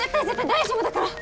大丈夫だから！